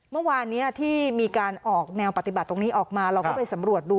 เมื่อวานนี้ที่มีการออกแนวปฏิบัติตรงนี้ออกมาเราก็ไปสำรวจดู